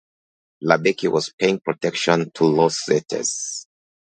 La Becky was paying protection to Los Zetas.